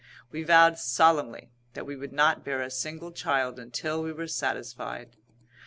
We vowed solemnly that we would not bear a single child until we were satisfied.